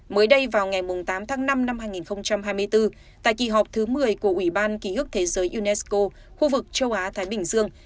mới đây vào ngày tám tháng năm năm hai nghìn hai mươi bốn tại kỳ họp thứ một mươi của ủy ban ký ức thế giới unesco khu vực châu á thái bình dương